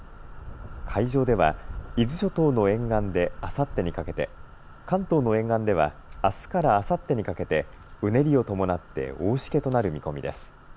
海上では伊豆諸島の沿岸であさってにかけて関東の沿岸ではあすからあさってにかけてうねりを伴って大しけとなる見込みです。